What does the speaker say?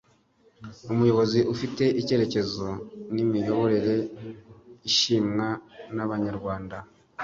umuyobozi ufite icyerekezo n’imiyoborere ishimwa n’Abanyarwanda